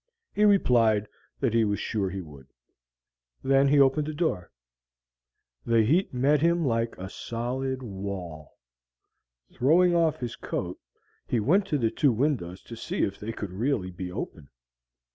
He replied that he was sure he would. Then he opened the door. The heat met him like a solid wall. Throwing off his coat, he went to the two windows to see if they could really be open.